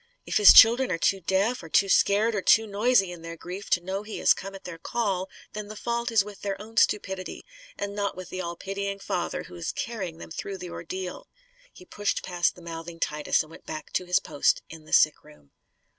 If His children are too deaf or too scared or too noisy, in their grief, to know He has come at their call, then the fault is with their own stupidity; and not with the all pitying Father, who is carrying them through the ordeal." He pushed past the mouthing Titus and went back to his post in the sick room.